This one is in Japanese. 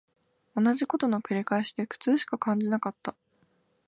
同じ事の繰り返しで苦痛しか感じなかった